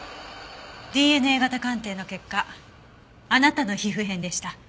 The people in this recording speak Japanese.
ＤＮＡ型鑑定の結果あなたの皮膚片でした。